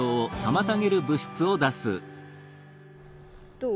どう？